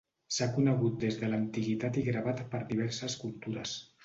S'ha conegut des de l'antiguitat i gravat per diverses cultures.